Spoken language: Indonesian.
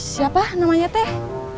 siapa namanya teh